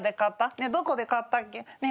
どこで買ったっけ？